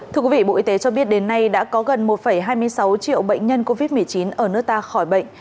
thưa quý vị bộ y tế cho biết đến nay đã có gần một hai mươi sáu triệu bệnh nhân covid một mươi chín ở nước ta khỏi bệnh